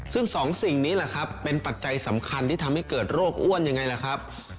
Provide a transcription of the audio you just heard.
ซึ่งสองสิ่งนี้แหละครับเป็นปัจจัยสำคัญที่ทำให้เกิดโรคอ้วนยังไงล่ะครับ